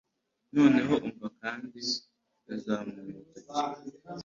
noneho umva kandi yazamuye urutoki